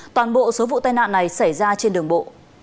toàn bộ số vụ tai nạn này xảy ra trên đường bộ